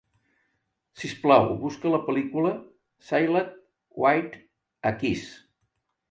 Si us plau, busca la pel·lícula Sealed with a Kiss.